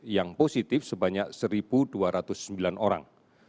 yang positif sebanyak satu dua ratus sembilan orang